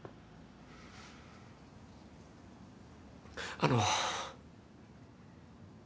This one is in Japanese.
あの。